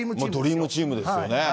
ドリームチームですよね。